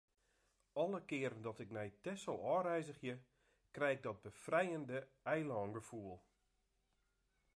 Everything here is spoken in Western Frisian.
Alle kearen dat ik nei Texel ôfreizgje, krij ik dat befrijende eilângefoel.